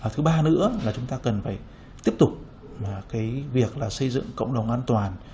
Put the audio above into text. thứ ba nữa là chúng ta cần phải tiếp tục việc xây dựng cộng đồng an toàn